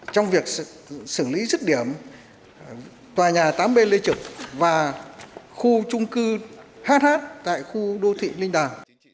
trong việc xử lý dứt điểm tòa nhà tám b lê trực và khu trung cư hh tại khu đô thị linh đàm